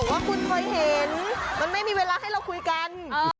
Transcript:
ว่าคุณเคยเห็นมันไม่มีเวลาให้เราคุยกัน